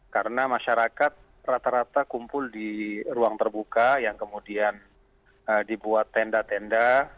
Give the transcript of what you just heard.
karena masyarakat rata rata kumpul di ruang terbuka yang kemudian dibuat tenda tenda